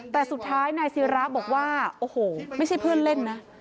แต่สุดท้ายนายศิระบอกว่าโอ้โหไม่ใช่เพื่อนเล่นนะ